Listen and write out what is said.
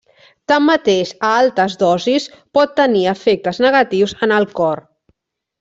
Tanmateix a altes dosis pot tenir efectes negatius en el cor.